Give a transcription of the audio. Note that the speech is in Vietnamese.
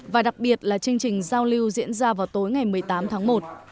và đặc biệt là chương trình giao lưu diễn ra vào tối ngày một mươi tám tháng một